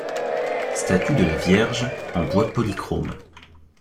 Statue de la Vierge en bois polychrome.